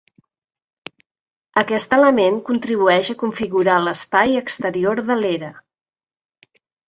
Aquest element contribueix a configurar l'espai exterior de l'era.